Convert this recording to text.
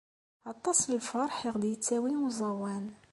Aṭas n lferḥ i ɣ-d-yettawi uẓawan.